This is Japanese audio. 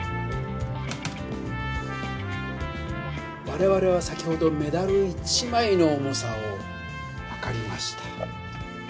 われわれは先ほどメダル１枚の重さをはかりました。